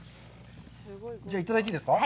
じゃあ、いただいていいですか？